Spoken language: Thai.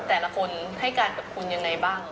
แต่ละคนให้การกับคุณยังไงบ้าง